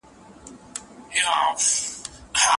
دا ستا و خولې ته خو همېش غزل چابکه راځي